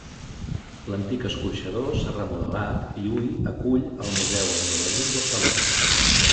L'antic escorxador s'ha remodelat i hui acull el Museu Etnològic de Xaló.